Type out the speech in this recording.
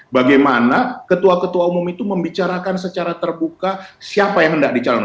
bagaimana ketua ketua umum itu membicarakan secara terbuka siapa yang hendak dicalonkan